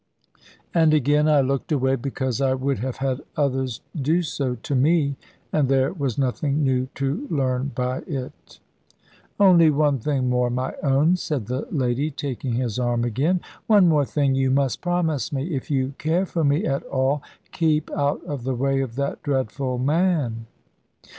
And again I looked away, because I would have had others do so to me; and there was nothing new to learn by it. "Only one thing more, my own," said the lady, taking his arm again; "one more thing you must promise me. If you care for me at all, keep out of the way of that dreadful man."